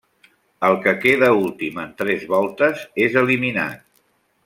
El que queda últim en tres voltes és eliminat.